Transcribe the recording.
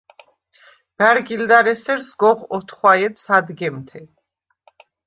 ბა̈რგილდა̈რ ესერ სგოღ ოთხვაჲედ სადგემთე.